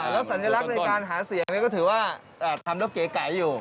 แล้วสัญลักษณ์ในการหาเสียงก็ถือว่าทำแล้วเก๋ไก่อยู่